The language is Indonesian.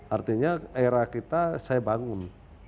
artinya era kita saya bangun